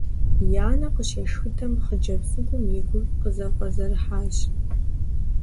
И анэр къыщешхыдэм, хъыджэбз цӀыкӀум и гур къызэфӀэзэрыхьащ.